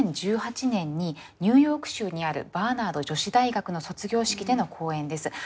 ２０１８年にニューヨーク州にあるバーナード女子大学の卒業式での講演です。